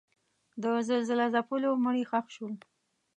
د زلزله ځپلو مړي ښخ شول.